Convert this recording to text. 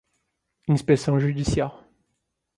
inspeção judicial